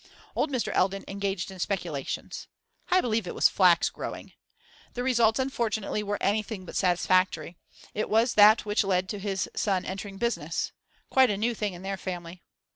Old Mr. Eldon engaged in speculations I believe it was flax growing. The results, unfortunately, were anything but satisfactory. It was that which led to his son entering business quite a new thing in their family.